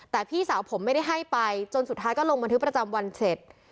แต่พี่สาวผมไม่ได้ให้ไปจนสุดท้ายก็ลงบันทึกประจำวันเสร็จ